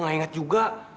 gue gak inget juga